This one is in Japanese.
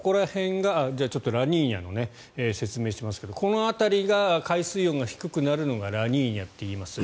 ラニーニャの説明をしますがこの辺りの海水温が低くなるのがラニーニャって言います。